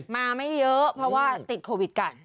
มาไม่เยอะเพราะว่าติดโควิดกัน